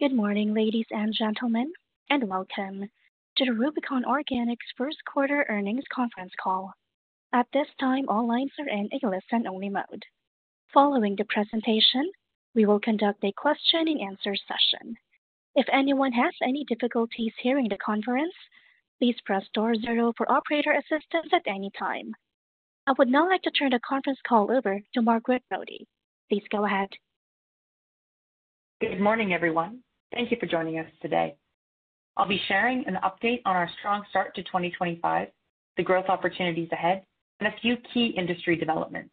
Good morning, ladies and gentlemen, and welcome to the Rubicon Organics First Quarter Earnings Conference Call. At this time, all lines are in listening only mode. Following the presentation, we will conduct a question and answer session. If anyone has any difficulties hearing the conference, please press ster zero for operator assistance at any time. I would now like to turn the conference call over to Margaret Brodie. Please go ahead. Good morning, everyone. Thank you for joining us today. I'll be sharing an update on our strong start to 2025, the growth opportunities ahead, and a few key industry developments.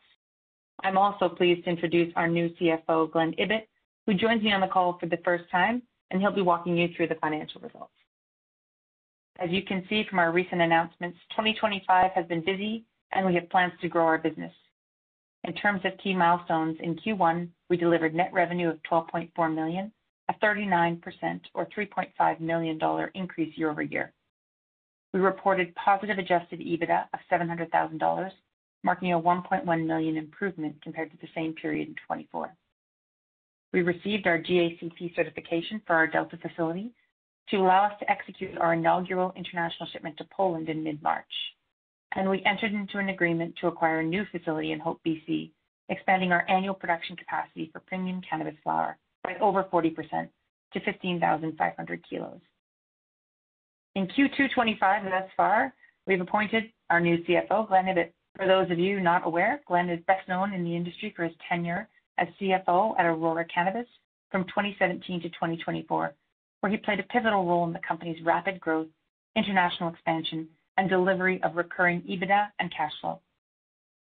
I'm also pleased to introduce our new CFO, Glen Ibbott, who joins me on the call for the first time, and he'll be walking you through the financial results. As you can see from our recent announcements, 2025 has been busy, and we have plans to grow our business. In terms of key milestones in Q1, we delivered net revenue of $ 12.4 million, a 39% or $ 3.5 million increase year over year. We reported positive adjusted EBITDA of $ 700,000, marking a $ 1.1 million improvement compared to the same period in 2024. We received our GACP certification for our Delta facility to allow us to execute our inaugural international shipment to Poland in mid-March, and we entered into an agreement to acquire a new facility in Hope, BC, expanding our annual production capacity for premium cannabis flower by over 40% to 15,500 kilos. In Q2 2025 thus far, we've appointed our new CFO, Glen Ibbott. For those of you not aware, Glen is best known in the industry for his tenure as CFO at Aurora Cannabis from 2017 to 2024, where he played a pivotal role in the company's rapid growth, international expansion, and delivery of recurring EBITDA and cash flow.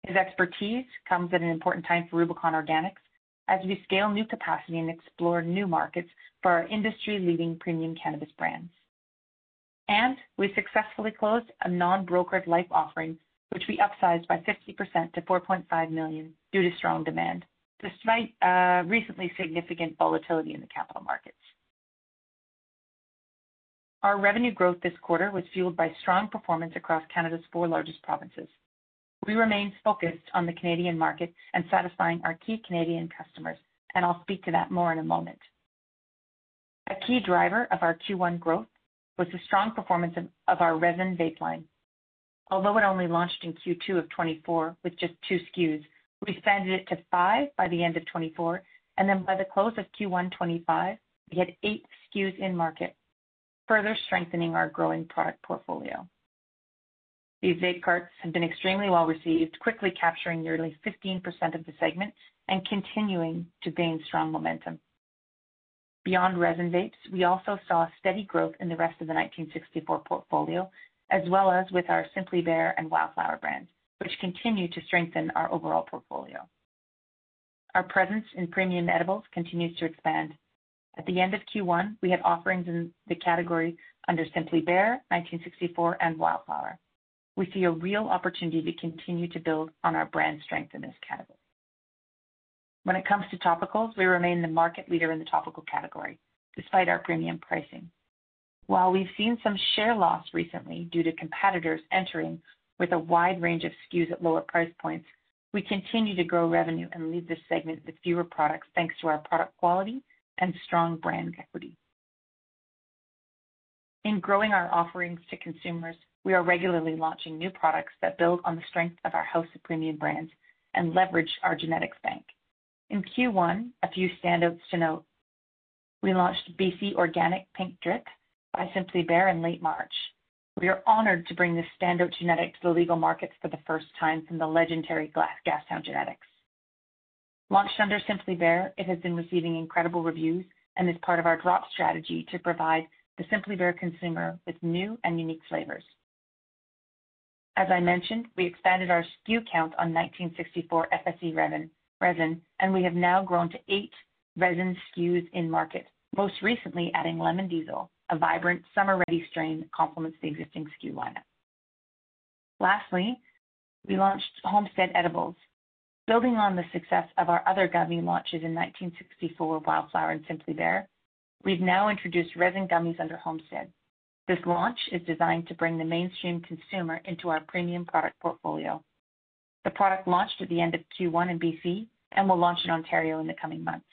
His expertise comes at an important time for Rubicon Organics, as we scale new capacity and explore new markets for our industry-leading premium cannabis brands. We successfully closed a non-brokered life offering, which we upsized by 50% to $ 4.5 million due to strong demand, despite recently significant volatility in the capital markets. Our revenue growth this quarter was fueled by strong performance across Canada's four largest provinces. We remained focused on the Canadian market and satisfying our key Canadian customers, and I'll speak to that more in a moment. A key driver of our Q1 growth was the strong performance of our resin vape line. Although it only launched in Q2 of 2024 with just two SKUs, we expanded it to five by the end of 2024, and then by the close of Q1 2025, we had eight SKUs in market, further strengthening our growing product portfolio. These vape carts have been extremely well received, quickly capturing nearly 15% of the segment and continuing to gain strong momentum. Beyond resin vapes, we also saw steady growth in the rest of the 1964 portfolio, as well as with our Simply Bare and Wildflower Brands, which continue to strengthen our overall portfolio. Our presence in premium edibles continues to expand. At the end of Q1, we had offerings in the category under Simply Bare 1964, and Wildflower. We see a real opportunity to continue to build on our brand strength in this category. When it comes to topicals, we remain the market leader in the topical category, despite our premium pricing. While we've seen some share loss recently due to competitors entering with a wide range of SKUs at lower price points, we continue to grow revenue and leave this segment with fewer products thanks to our product quality and strong brand equity. In growing our offerings to consumers, we are regularly launching new products that build on the strength of our host of premium brands and leverage our genetics bank. In Q1, a few standouts to note. We launched BC Organic Pink Drip by Simply Bare in late March. We are honored to bring this standout genetic to the legal markets for the first time from the legendary Gastown Genetics. Launched under Simply Bare, it has been receiving incredible reviews and is part of our drop strategy to provide the Simply Bare consumer with new and unique flavors. As I mentioned, we expanded our SKU count on 1964 FSC resin, and we have now grown to eight resin SKUs in market, most recently adding Lemon Diesel, a vibrant summer-ready strain that complements the existing SKU lineup. Lastly, we launched Homestead Edibles. Building on the success of our other gummy launches in 1964 Wildflower, and Simply Bare, we've now introduced resin gummies under Homestead. This launch is designed to bring the mainstream consumer into our premium product portfolio. The product launched at the end of Q1 in BC and will launch in Ontario in the coming months.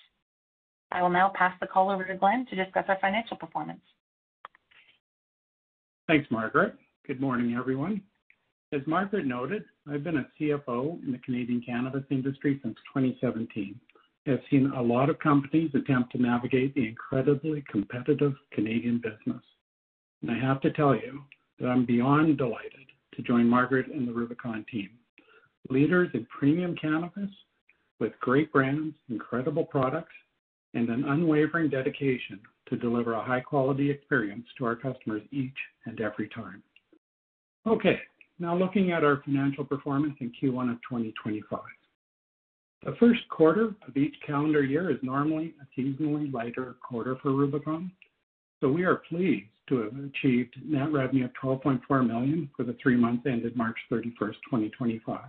I will now pass the call over to Glen to discuss our financial performance. Thanks, Margaret. Good morning, everyone. As Margaret noted, I've been a CFO in the Canadian cannabis industry since 2017. I've seen a lot of companies attempt to navigate the incredibly competitive Canadian business. I have to tell you that I'm beyond delighted to join Margaret and the Rubicon Team, leaders in premium cannabis with great brands, incredible products, and an unwavering dedication to deliver a high-quality experience to our customers each and every time. Okay, now looking at our financial performance in Q1 of 2025. The first quarter of each calendar year is normally a seasonally lighter quarter for Rubicon, so we are pleased to have achieved net revenue of $ 12.4 million for the three months ended March 31, 2025,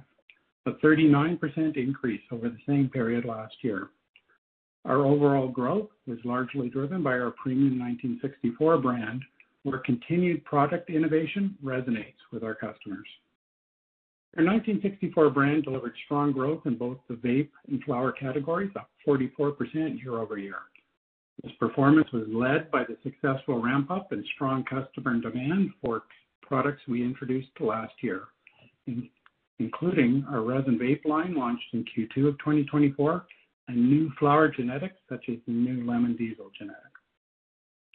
a 39% increase over the same period last year. Our overall growth is largely driven by our premium 1964 brand, where continued product innovation resonates with our customers. Our 1964 brand delivered strong growth in both the vape and flower categories, up 44% year over year. This performance was led by the successful ramp-up and strong customer demand for products we introduced last year, including our resin vape line launched in Q2 of 2024 and new flower genetics such as the new Lemon Diesel genetic.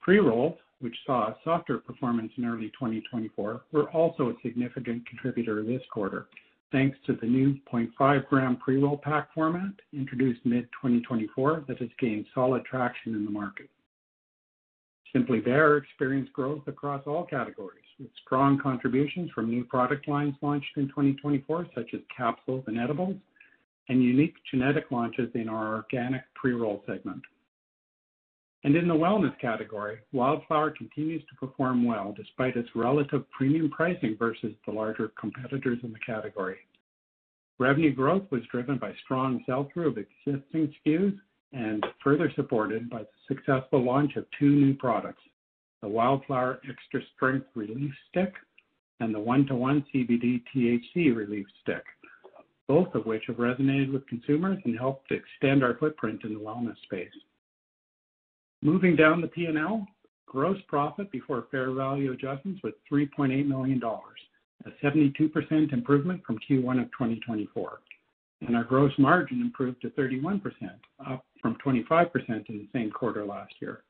Pre-rolls, which saw a softer performance in early 2024, were also a significant contributor this quarter, thanks to the new 0.5-gram pre-roll pack format introduced mid-2024 that has gained solid traction in the market. Simply Bear experienced growth across all categories, with strong contributions from new product lines launched in 2024, such as capsules and edibles, and unique genetic launches in our organic pre-roll segment. In the wellness category, Wildflower continues to perform well despite its relative premium pricing versus the larger competitors in the category. Revenue growth was driven by strong sell-through of existing SKUs and further supported by the successful launch of two new products, the Wildflower Extra Strength Relief Stick and the 1:1 CBD THC Relief Stick, both of which have resonated with consumers and helped to extend our footprint in the wellness space. Moving down the P&L, gross profit before fair value adjustments was $3.8 million, a 72% improvement from Q1 of 2024, and our gross margin improved to 31%, up from 25% in the same quarter last year.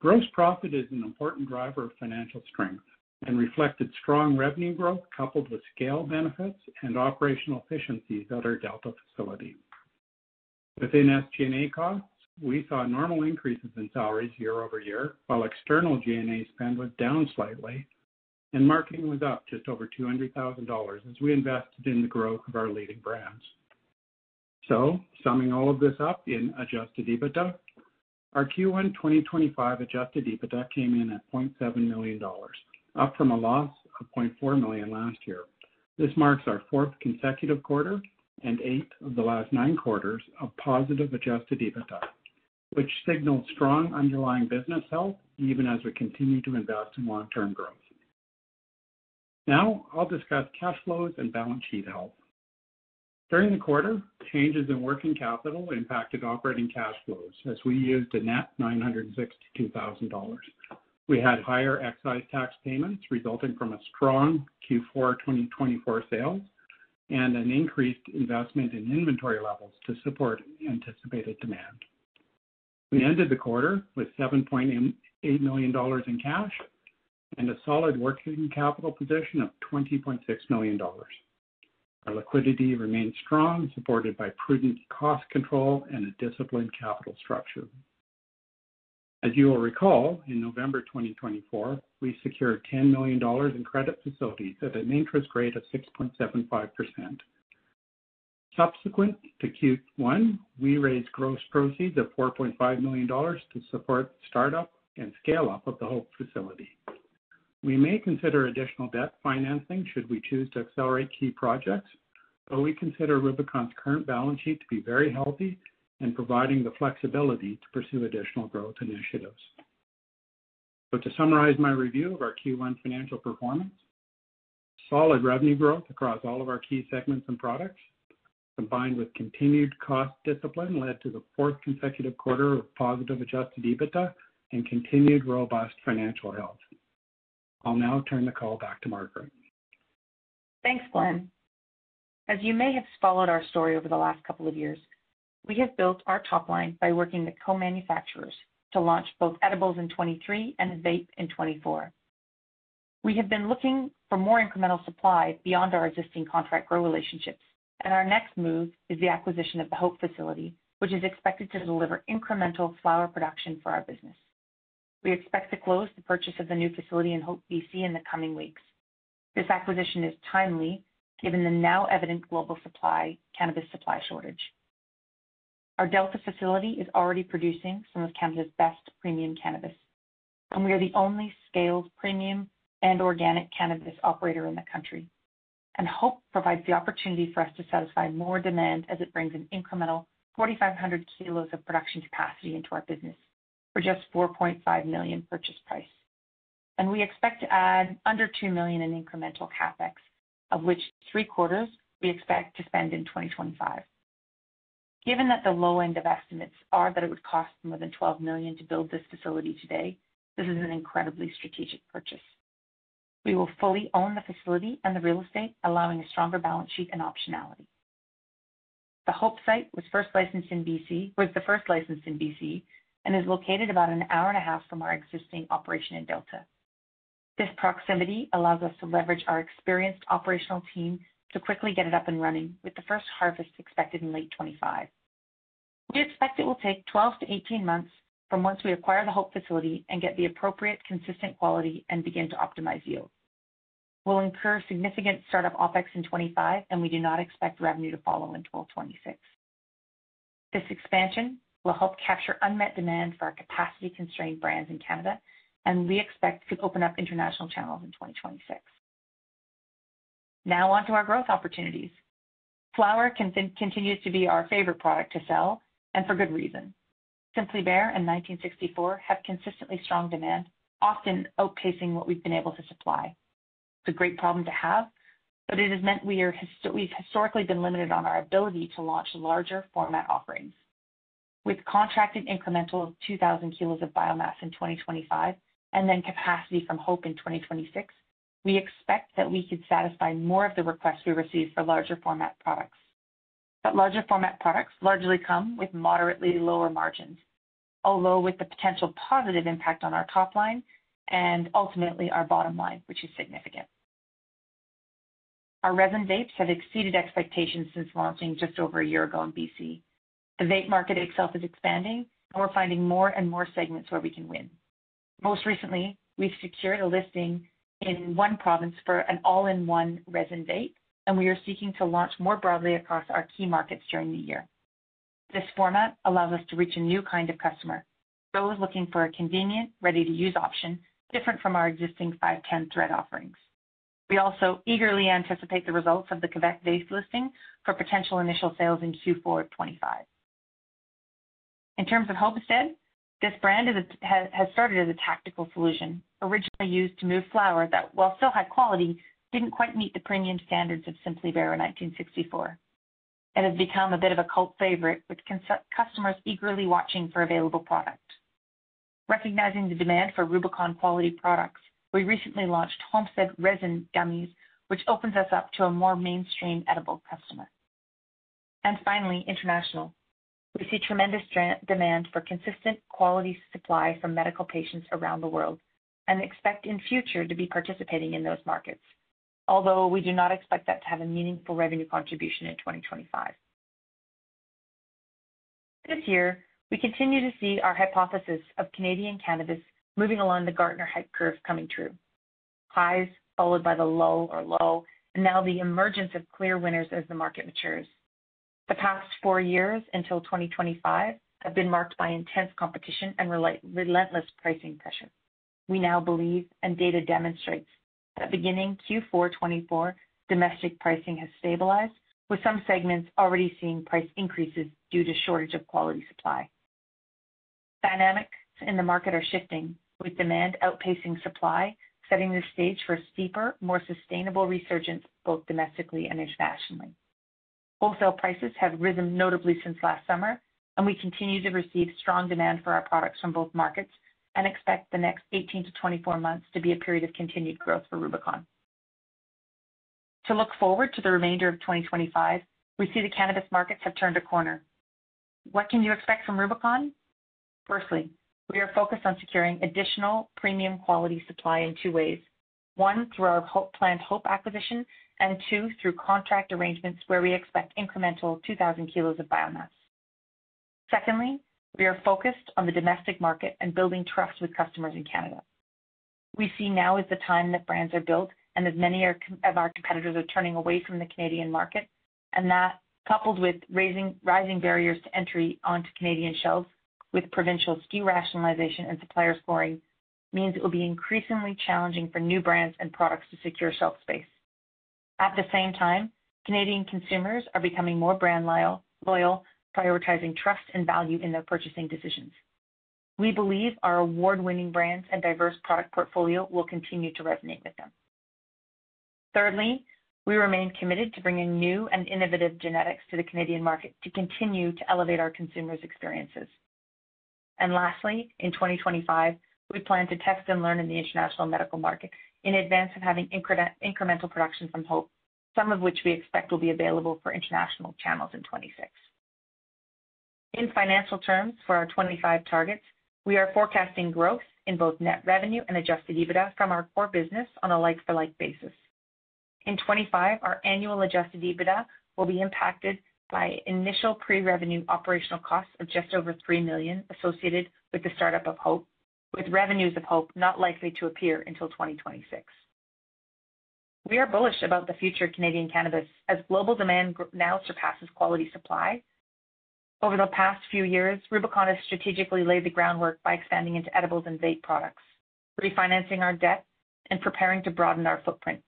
Gross profit is an important driver of financial strength and reflected strong revenue growth coupled with scale benefits and operational efficiencies at our Delta facility. Within SG&A costs, we saw normal increases in salaries year over year, while external G&A spend was down slightly, and marketing was up just over $ 200,000 as we invested in the growth of our leading brands. Summing all of this up in adjusted EBITDA, our Q1 2025 adjusted EBITDA came in at $ 0.7 million, up from a loss of $ 0.4 million last year. This marks our fourth consecutive quarter and eight of the last nine quarters of positive adjusted EBITDA, which signals strong underlying business health even as we continue to invest in long-term growth. Now, I'll discuss cash flows and balance sheet health. During the quarter, changes in working capital impacted operating cash flows, as we used a net $ 962,000. We had higher excise tax payments resulting from a strong Q4 2024 sales and an increased investment in inventory levels to support anticipated demand. We ended the quarter with $ 7.8 million in cash and a solid working capital position of $ 20.6 million. Our liquidity remained strong, supported by prudent cost control and a disciplined capital structure. As you will recall, in November 2024, we secured $ 10 million in credit facilities at an interest rate of 6.75%. Subsequent to Q1, we raised gross proceeds of $ 4.5 million to support startup and scale-up of the Hope facility. We may consider additional debt financing should we choose to accelerate key projects, but we consider Rubicon's current balance sheet to be very healthy and providing the flexibility to pursue additional growth initiatives. To summarize my review of our Q1 financial performance, solid revenue growth across all of our key segments and products, combined with continued cost discipline, led to the fourth consecutive quarter of positive adjusted EBITDA and continued robust financial health. I'll now turn the call back to Margaret. Thanks, Glen. As you may have followed our story over the last couple of years, we have built our top line by working with co-manufacturers to launch both edibles in 2023 and vape in 2024. We have been looking for more incremental supply beyond our existing contract grow relationships, and our next move is the acquisition of the Hope facility, which is expected to deliver incremental flower production for our business. We expect to close the purchase of the new facility in Hope, BC in the coming weeks. This acquisition is timely given the now evident global cannabis supply shortage. Our Delta facility is already producing some of Canada's best premium cannabis, and we are the only scaled premium and organic cannabis operator in the country. Hope provides the opportunity for us to satisfy more demand as it brings an incremental 4,500 kilos of production capacity into our business for just $ 4.5 million purchase price. We expect to add under $ 2 million in incremental CapEx, of which three quarters we expect to spend in 2025. Given that the low end of estimates are that it would cost more than $ 12 million to build this facility today, this is an incredibly strategic purchase. We will fully own the facility and the real estate, allowing a stronger balance sheet and optionality. The Hope site was the first licensed in BC, and is located about an hour and a half from our existing operation in Delta. This proximity allows us to leverage our experienced operational team to quickly get it up and running with the first harvest expected in late 2025. We expect it will take 12 to 18 months from once we acquire the Hope facility and get the appropriate consistent quality and begin to optimize yield. We'll incur significant startup OpEx in 2025, and we do not expect revenue to follow in 2026. This expansion will help capture unmet demand for our capacity-constrained brands in Canada, and we expect to open up international channels in 2026. Now on to our growth opportunities. Flower continues to be our favorite product to sell, and for good reason. Simply Bare and 1964 have consistently strong demand, often outpacing what we've been able to supply. It's a great problem to have, but it has meant we've historically been limited on our ability to launch larger format offerings. With contracted incremental of 2,000 kilos of biomass in 2025 and then capacity from Hope in 2026, we expect that we could satisfy more of the requests we receive for larger format products. Larger format products largely come with moderately lower margins, although with the potential positive impact on our top line and ultimately our bottom line, which is significant. Our resin vapes have exceeded expectations since launching just over a year ago in BC. The vape market itself is expanding, and we're finding more and more segments where we can win. Most recently, we secured a listing in one province for an all-in-one resin vape, and we are seeking to launch more broadly across our key markets during the year. This format allows us to reach a new kind of customer, those looking for a convenient, ready-to-use option different from our existing 510 thread offerings. We also eagerly anticipate the results of the Quebec vape listing for potential initial sales in Q4 2025. In terms of Homestead, this brand has started as a tactical solution, originally used to move flower that, while still high quality, did not quite meet the premium standards of Simply Bare in 1964. It has become a bit of a cult favorite, with customers eagerly watching for available product. Recognizing the demand for Rubicon quality products, we recently launched Homestead resin gummies, which opens us up to a more mainstream edible customer. Finally, international. We see tremendous demand for consistent quality supply from medical patients around the world and expect in future to be participating in those markets, although we do not expect that to have a meaningful revenue contribution in 2025. This year, we continue to see our hypothesis of Canadian cannabis moving along the Gartner Hype Curve coming true. Highs followed by the low or low, and now the emergence of clear winners as the market matures. The past four years until 2025 have been marked by intense competition and relentless pricing pressure. We now believe and data demonstrates that beginning Q4 2024, domestic pricing has stabilized, with some segments already seeing price increases due to shortage of quality supply. Dynamics in the market are shifting, with demand outpacing supply, setting the stage for a steeper, more sustainable resurgence both domestically and internationally. Wholesale prices have risen notably since last summer, and we continue to receive strong demand for our products from both markets and expect the next 18 to 24 months to be a period of continued growth for Rubicon. To look forward to the remainder of 2025, we see the cannabis markets have turned a corner. What can you expect from Rubicon? Firstly, we are focused on securing additional premium quality supply in two ways: one, through our planned Hope acquisition, and two, through contract arrangements where we expect incremental 2,000 kilos of biomass. Secondly, we are focused on the domestic market and building trust with customers in Canada. We see now is the time that brands are built and that many of our competitors are turning away from the Canadian market, and that, coupled with rising barriers to entry onto Canadian shelves with provincial SKU rationalization and supplier scoring, means it will be increasingly challenging for new brands and products to secure shelf space. At the same time, Canadian consumers are becoming more brand loyal, prioritizing trust and value in their purchasing decisions. We believe our award-winning brands and diverse product portfolio will continue to resonate with them. Thirdly, we remain committed to bringing new and innovative genetics to the Canadian market to continue to elevate our consumers' experiences. Lastly, in 2025, we plan to test and learn in the international medical market in advance of having incremental production from Hope, some of which we expect will be available for international channels in 2026. In financial terms for our 2025 targets, we are forecasting growth in both net revenue and adjusted EBITDA from our core business on a like-for-like basis. In 2025, our annual adjusted EBITDA will be impacted by initial pre-revenue operational costs of just over $ 3 million associated with the startup of Hope, with revenues of Hope not likely to appear until 2026. We are bullish about the future of Canadian cannabis as global demand now surpasses quality supply. Over the past few years, Rubicon has strategically laid the groundwork by expanding into edibles and vape products, refinancing our debt, and preparing to broaden our footprint.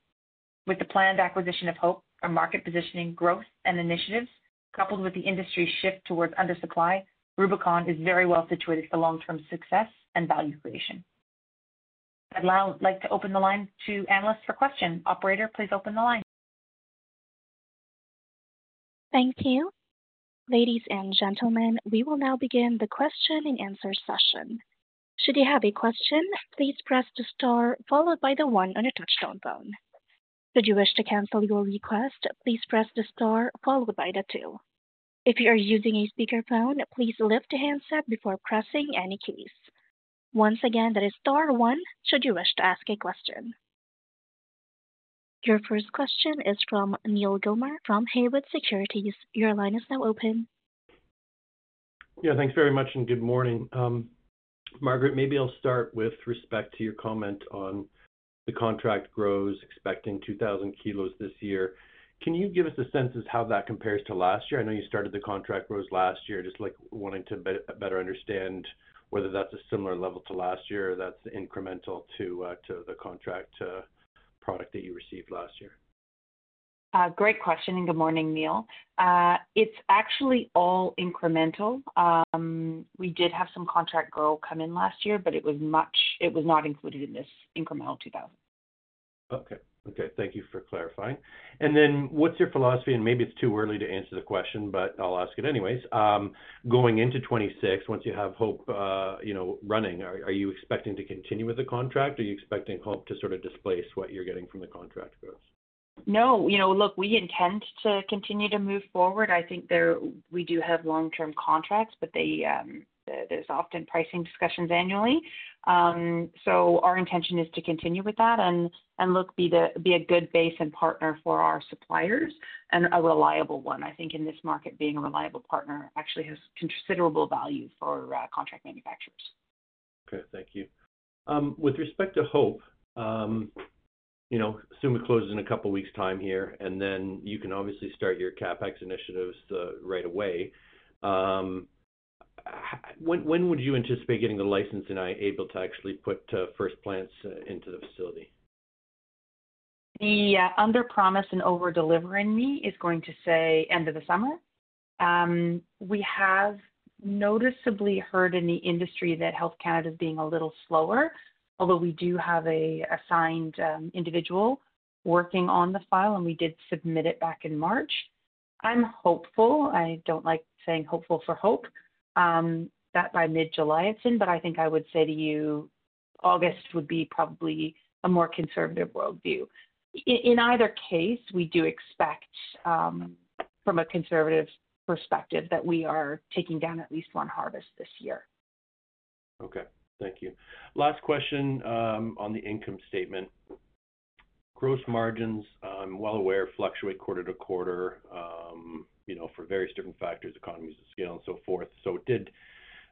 With the planned acquisition of Hope, our market positioning, growth, and initiatives, coupled with the industry's shift towards undersupply, Rubicon is very well situated for long-term success and value creation. I'd now like to open the line to analysts for questions. Operator, please open the line. Thank you. Ladies and gentlemen, we will now begin the question and answer session. Should you have a question, please press the star followed by the one on a touch-tone phone. Should you wish to cancel your request, please press the star followed by the two. If you are using a speakerphone, please lift the handset before pressing any keys. Once again, that is star one should you wish to ask a question. Your first question is from Neil Gilmore from Haywood Securities. Your line is now open. Yeah, thanks very much and good morning. Margaret, maybe I'll start with respect to your comment on the contract grows expecting 2,000 kilos this year. Can you give us a sense of how that compares to last year? I know you started the contract grows last year, just like wanting to better understand whether that's a similar level to last year or that's incremental to the contract product that you received last year. Great question and good morning, Neil. It's actually all incremental. We did have some contract grow come in last year, but it was not included in this incremental 2,000. Okay. Okay. Thank you for clarifying. What is your philosophy? Maybe it is too early to answer the question, but I will ask it anyways. Going into 2026, once you have Hope running, are you expecting to continue with the contract? Are you expecting Hope to sort of displace what you are getting from the contract growth? No, look, we intend to continue to move forward. I think we do have long-term contracts, but there's often pricing discussions annually. Our intention is to continue with that and look to be a good base and partner for our suppliers and a reliable one. I think in this market, being a reliable partner actually has considerable value for contract manufacturers. Okay. Thank you. With respect to Hope, assume it closes in a couple of weeks' time here, and then you can obviously start your CapEx initiatives right away. When would you anticipate getting the license and able to actually put first plants into the facility? The under-promise and over-deliver in me is going to say end of the summer. We have noticeably heard in the industry that Health Canada is being a little slower, although we do have an assigned individual working on the file, and we did submit it back in March. I'm hopeful. I don't like saying hopeful for Hope, that by mid-July it's in, but I think I would say to you August would be probably a more conservative worldview. In either case, we do expect from a conservative perspective that we are taking down at least one harvest this year. Okay. Thank you. Last question on the income statement. Gross margins, I'm well aware, fluctuate quarter to quarter for various different factors, economies of scale, and so forth. It did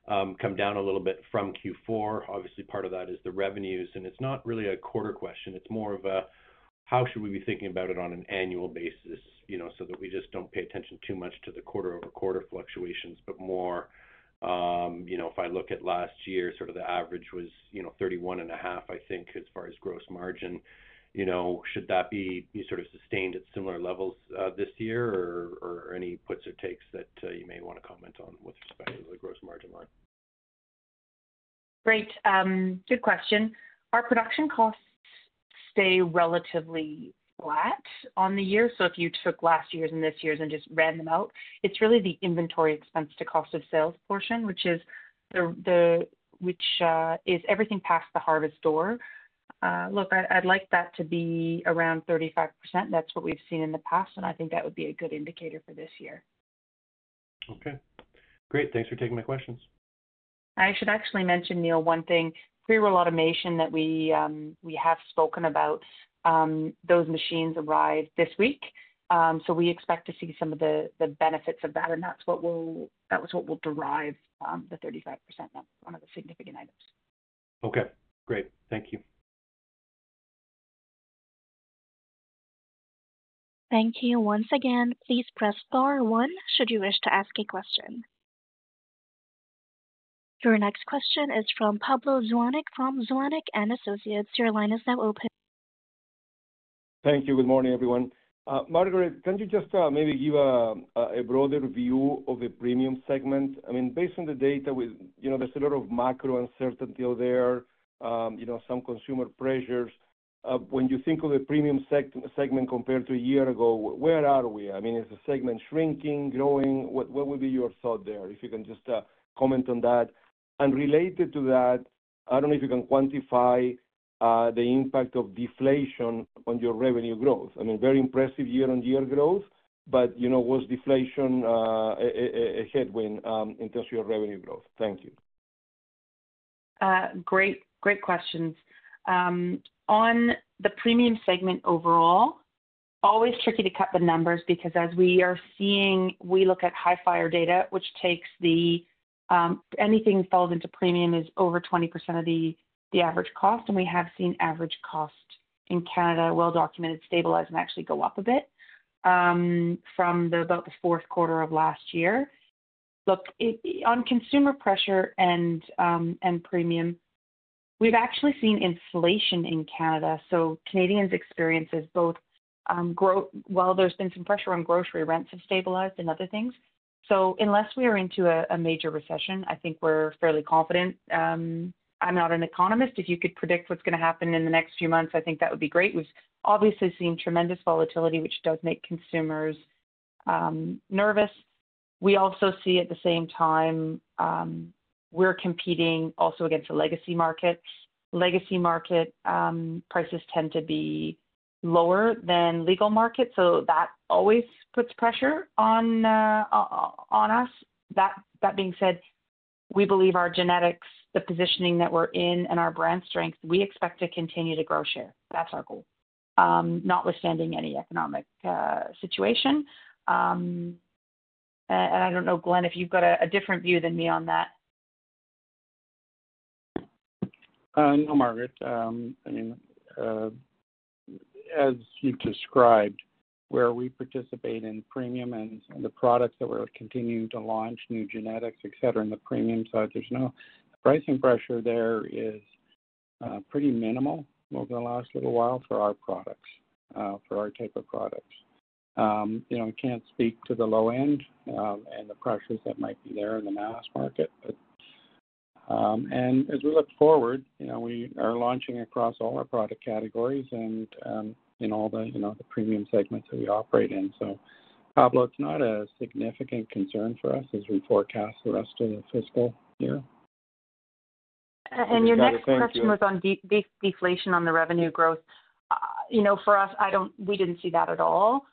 come down a little bit from Q4. Obviously, part of that is the revenues, and it's not really a quarter question. It's more of a how should we be thinking about it on an annual basis so that we just do not pay attention too much to the quarter-over-quarter fluctuations, but more if I look at last year, sort of the average was 31.5%, I think, as far as gross margin. Should that be sort of sustained at similar levels this year or any puts or takes that you may want to comment on with respect to the gross margin line? Great. Good question. Our production costs stay relatively flat on the year. If you took last year's and this year's and just ran them out, it's really the inventory expense to cost of sales portion, which is everything past the harvest door. Look, I'd like that to be around 35%. That's what we've seen in the past, and I think that would be a good indicator for this year. Okay. Great. Thanks for taking my questions. I should actually mention, Neil, one thing. Pre-roll automation that we have spoken about, those machines arrive this week. We expect to see some of the benefits of that, and that's what will derive the 35% number, one of the significant items. Okay. Great. Thank you. Thank you once again. Please press star one should you wish to ask a question. Your next question is from Pablo Zuanic from Zuanic & Associates. Your line is now open. Thank you. Good morning, everyone. Margaret, can you just maybe give a broader view of the premium segment? I mean, based on the data, there is a lot of macro uncertainty out there, some consumer pressures. When you think of the premium segment compared to a year ago, where are we? I mean, is the segment shrinking, growing? What would be your thought there if you can just comment on that? Related to that, I do not know if you can quantify the impact of deflation on your revenue growth. I mean, very impressive year-on-year growth, but was deflation a headwind in terms of your revenue growth? Thank you. Great questions. On the premium segment overall, always tricky to cut the numbers because as we are seeing, we look at Hifyre data, which takes anything that falls into premium as over 20% of the average cost, and we have seen average cost in Canada well-documented, stabilized, and actually go up a bit, from about the fourth quarter of last year. Look, on consumer pressure and premium, we've actually seen inflation in Canada. Canadians' experience is both while there's been some pressure on grocery rents have stabilized and other things. Unless we are into a major recession, I think we're fairly confident. I'm not an economist. If you could predict what's going to happen in the next few months, I think that would be great. We've obviously seen tremendous volatility, which does make consumers nervous. We also see at the same time we're competing also against a legacy market. Legacy market prices tend to be lower than legal market, so that always puts pressure on us. That being said, we believe our genetics, the positioning that we're in, and our brand strength, we expect to continue to grow share. That's our goal, notwithstanding any economic situation. I don't know, Glen, if you've got a different view than me on that. No, Margaret. I mean, as you've described, where we participate in premium and the products that we're continuing to launch, new genetics, etc., and the premium side, there's no pricing pressure. There is pretty minimal over the last little while for our products, for our type of products. I can't speak to the low end and the pressures that might be there in the mass market. As we look forward, we are launching across all our product categories and in all the premium segments that we operate in. Pablo, it's not a significant concern for us as we forecast the rest of the fiscal year. Your next question was on deflation on the revenue growth. For us, we did not see that at all.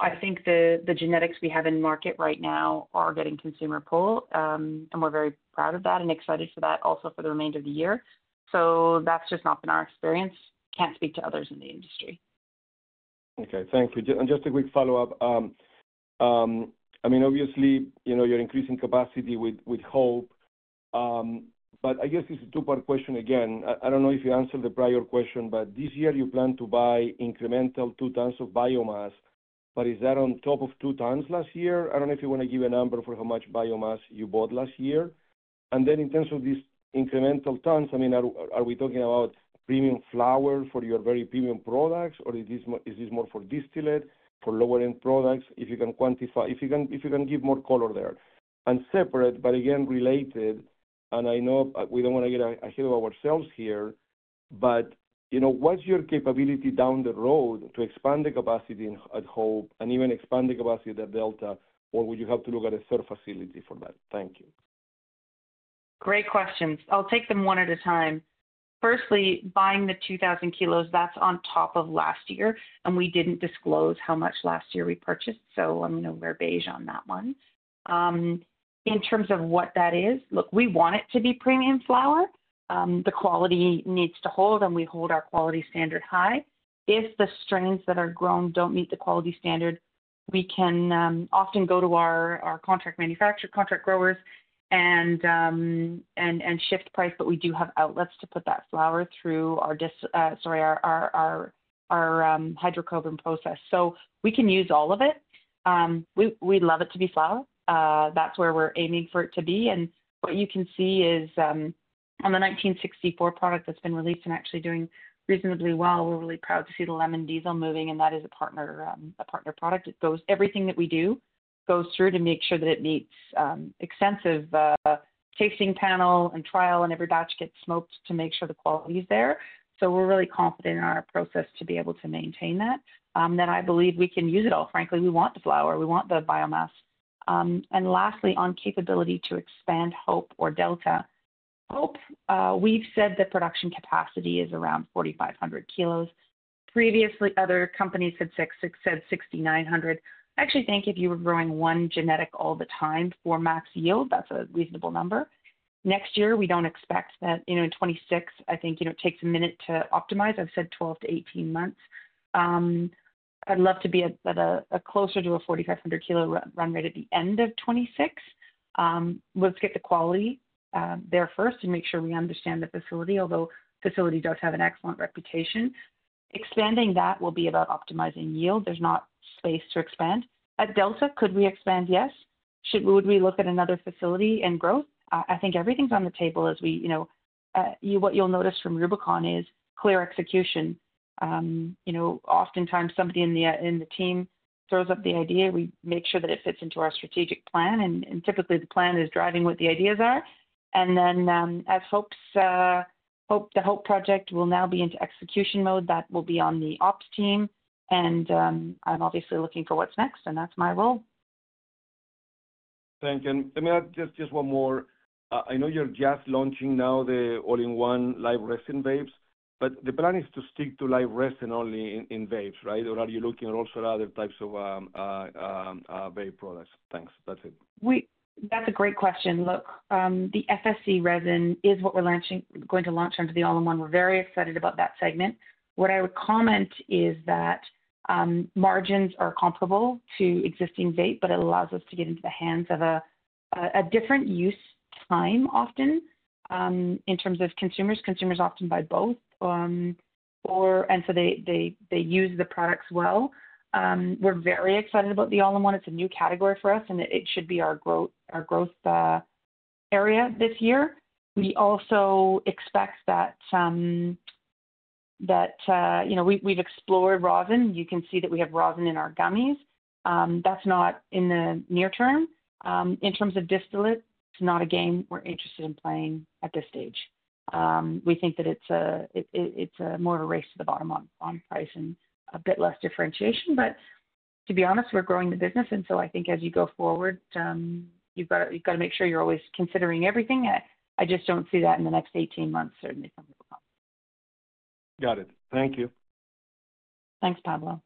I think the genetics we have in market right now are getting consumer pull, and we are very proud of that and excited for that also for the remainder of the year. That has just not been our experience. Cannot speak to others in the industry. Okay. Thank you. And just a quick follow-up. I mean, obviously, you're increasing capacity with Hope, but I guess it's a two-part question again. I don't know if you answered the prior question, but this year, you plan to buy incremental 2 tons of biomass, but is that on top of 2 tons last year? I don't know if you want to give a number for how much biomass you bought last year. And then in terms of these incremental tons, I mean, are we talking about premium flower for your very premium products, or is this more for distillate, for lower-end products, if you can quantify, if you can give more color there? Separate, but again, related, and I know we do not want to get ahead of ourselves here, but what is your capability down the road to expand the capacity at Hope and even expand the capacity at Delta, or would you have to look at a third facility for that? Thank you. Great questions. I'll take them one at a time. Firstly, buying the 2,000 kilos, that's on top of last year, and we didn't disclose how much last year we purchased, so I'm going to wear beige on that one. In terms of what that is, look, we want it to be premium flower. The quality needs to hold, and we hold our quality standard high. If the strains that are grown don't meet the quality standard, we can often go to our contract manufacturer, contract growers, and shift price, but we do have outlets to put that flower through our, sorry, our hydrocarbon process. So we can use all of it. We love it to be flower. That's where we're aiming for it to be. What you can see is on the 1964 product that has been released and actually doing reasonably well, we're really proud to see the Lemon Diesel moving, and that is a partner product. Everything that we do goes through to make sure that it meets extensive tasting panel and trial, and every batch gets smoked to make sure the quality is there. We're really confident in our process to be able to maintain that. I believe we can use it all. Frankly, we want the flower. We want the biomass. Lastly, on capability to expand Hope or Delta, Hope, we've said the production capacity is around 4,500 kilos. Previously, other companies had said 6,900. I actually think if you were growing one genetic all the time for max yield, that's a reasonable number. Next year, we do not expect that. In 2026, I think it takes a minute to optimize. I've said 12 to 18 months. I'd love to be closer to a 4,500-kilo run rate at the end of 2026. Let's get the quality there first and make sure we understand the facility, although the facility does have an excellent reputation. Expanding that will be about optimizing yield. There's not space to expand. At Delta, could we expand? Yes. Should we look at another facility and grow? I think everything's on the table as we what you'll notice from Rubicon is clear execution. Oftentimes, somebody in the team throws up the idea. We make sure that it fits into our strategic plan, and typically, the plan is driving what the ideas are. As Hope's, the Hope project will now be into execution mode. That will be on the ops team, and I'm obviously looking for what's next, and that's my role. Thank you. May I just—just one more. I know you're just launching now the all-in-one live resin vapes, but the plan is to stick to live resin only in vapes, right? Or are you looking at also other types of vape products? Thanks. That's it. That's a great question. Look, the FSC resin is what we're going to launch under the all-in-one. We're very excited about that segment. What I would comment is that margins are comparable to existing vape, but it allows us to get into the hands of a different use time often in terms of consumers. Consumers often buy both, and so they use the products well. We're very excited about the all-in-one. It's a new category for us, and it should be our growth area this year. We also expect that we've explored rosin. You can see that we have rosin in our gummies. That's not in the near term. In terms of distillate, it's not a game we're interested in playing at this stage. We think that it's more of a race to the bottom on price and a bit less differentiation. To be honest, we're growing the business, and so I think as you go forward, you've got to make sure you're always considering everything. I just do not see that in the next 18 months, certainly from Rubicon. Got it. Thank you. Thanks, Pablo.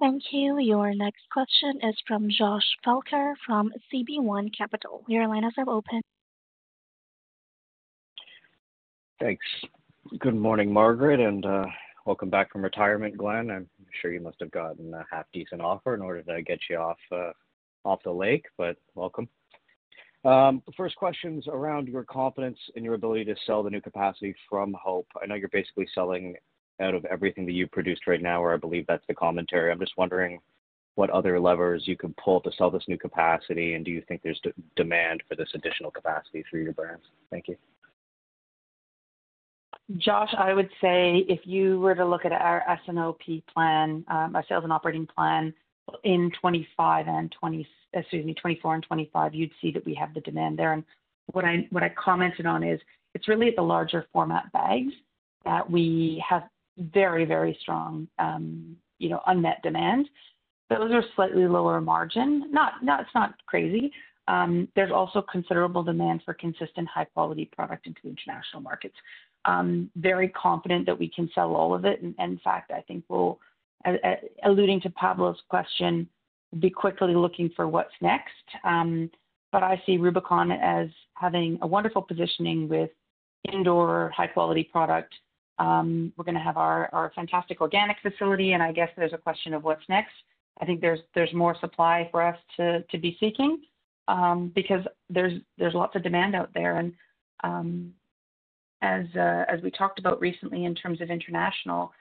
Thank you. Your next question is from Josh Falker from CB1 Capital. Your line is now open. Thanks. Good morning, Margaret, and welcome back from retirement, Glen. I'm sure you must have gotten a half-decent offer in order to get you off the lake, but welcome. First question's around your confidence in your ability to sell the new capacity from Hope. I know you're basically selling out of everything that you've produced right now, or I believe that's the commentary. I'm just wondering what other levers you can pull to sell this new capacity, and do you think there's demand for this additional capacity through your brand? Thank you. Josh, I would say if you were to look at our S&OP plan, our sales and operating plan in 2024 and 2025, excuse me, 2024 and 2025, you'd see that we have the demand there. What I commented on is it's really the larger format bags that we have very, very strong unmet demand. Those are slightly lower margin. It's not crazy. There is also considerable demand for consistent high-quality product into international markets. Very confident that we can sell all of it. In fact, I think we'll, alluding to Pablo's question, be quickly looking for what's next. I see Rubicon as having a wonderful positioning with indoor high-quality product. We're going to have our fantastic organic facility, and I guess there's a question of what's next. I think there is more supply for us to be seeking because there's lots of demand out there. As we talked about recently, in terms of international,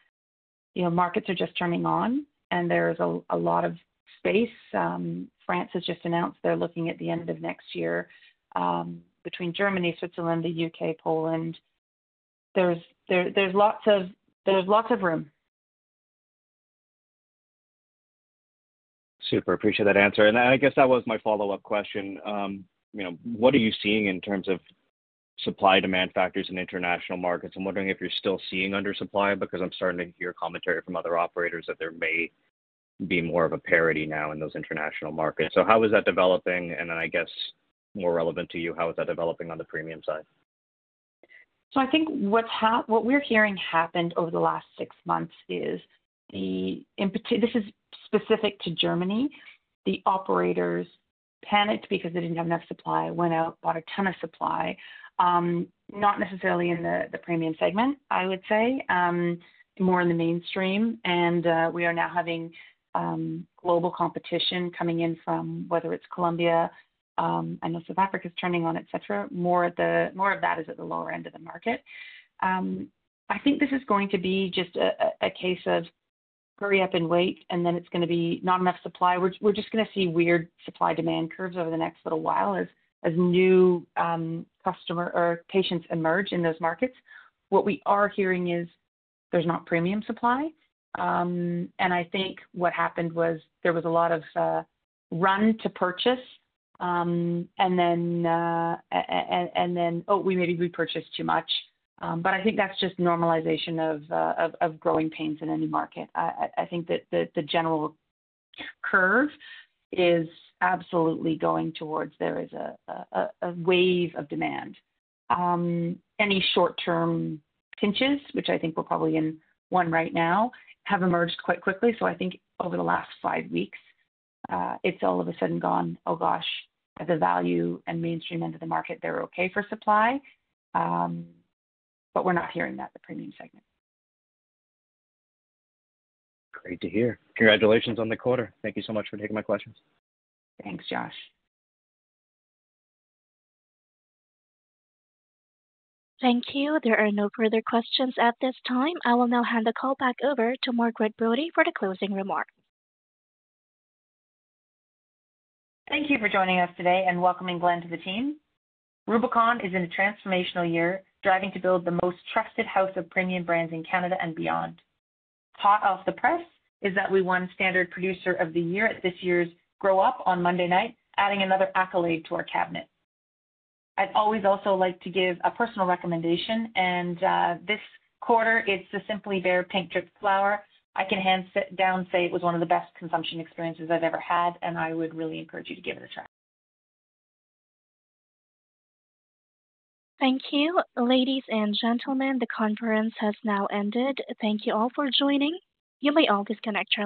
markets are just turning on, and there is a lot of space. France has just announced they're looking at the end of next year between Germany, Switzerland, the U.K., Poland. There's lots of room. Super. Appreciate that answer. I guess that was my follow-up question. What are you seeing in terms of supply-demand factors in international markets? I'm wondering if you're still seeing undersupply because I'm starting to hear commentary from other operators that there may be more of a parity now in those international markets. How is that developing? I guess more relevant to you, how is that developing on the premium side? I think what we're hearing happened over the last six months is this is specific to Germany. The operators panicked because they didn't have enough supply, went out, bought a ton of supply, not necessarily in the premium segment, I would say, more in the mainstream. We are now having global competition coming in from whether it's Colombia, I know South Africa's turning on, etc. More of that is at the lower end of the market. I think this is going to be just a case of hurry up and wait, and then it's going to be not enough supply. We're just going to see weird supply-demand curves over the next little while as new customer or patients emerge in those markets. What we are hearing is there's not premium supply. I think what happened was there was a lot of run to purchase and then, oh, we maybe repurchased too much. I think that is just normalization of growing pains in any market. I think that the general curve is absolutely going towards there is a wave of demand. Any short-term pinches, which I think we are probably in one right now, have emerged quite quickly. I think over the last five weeks, it has all of a sudden gone, "Oh gosh, the value and mainstream into the market, they are okay for supply." We are not hearing that in the premium segment. Great to hear. Congratulations on the quarter. Thank you so much for taking my questions. Thanks, Josh. Thank you. There are no further questions at this time. I will now hand the call back over to Margaret Brodie for the closing remark. Thank you for joining us today and welcoming Glen to the team. Rubicon is in a transformational year driving to build the most trusted house of premium brands in Canada and beyond. Hot off the press is that we won Standard Producer of the Year at this year's Grow Up on Monday night, adding another accolade to our cabinet. I'd also like to give a personal recommendation, and this quarter, it's the Simply Bare Pink Drip flower. I can hands down say it was one of the best consumption experiences I've ever had, and I would really encourage you to give it a try. Thank you. Ladies and gentlemen, the conference has now ended. Thank you all for joining. You may all disconnect.